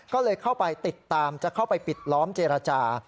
ก็เลยเข้าไปติดตามจะเข้าไปปิดล้อมเจรจา